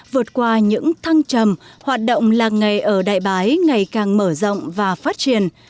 vượt qua những thăng trầm hoạt động làng nghề ở đại bái ngày càng mở rộng và phát triển